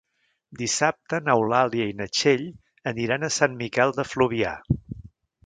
Dissabte n'Eulàlia i na Txell aniran a Sant Miquel de Fluvià.